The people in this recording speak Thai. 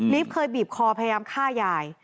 ฟเคยบีบคอพยายามฆ่ายาย